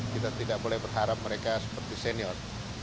kita tidak boleh berharap mereka seperti senior